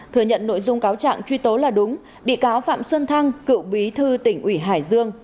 thừa nhận nội dung cáo trạng truy tố là đúng bị cáo phạm xuân thăng cựu bí thư tỉnh ủy hải dương